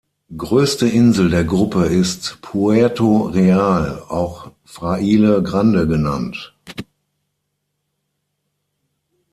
Größte Insel der Gruppe ist "Puerto Real", auch "Fraile Grande" genannt.